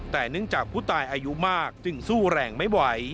แต่เนื่องจากผู้ตายอายุมากจึงสู้แรงไม่ไหว